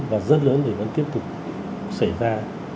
và rất lớn vẫn tiếp tục xảy ra